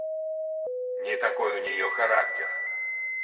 Не такой у нее характер.